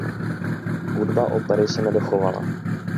Hudba opery se nedochovala.